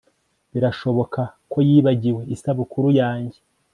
Birashoboka ko yibagiwe isabukuru yanjye